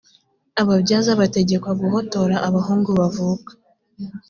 ababyaza bategekwa guhotora abahungu bavuka